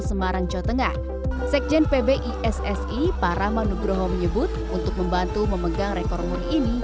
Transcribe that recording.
semarang jawa tengah sekjen pbissi para manugroho menyebut untuk membantu memegang rekor muri ini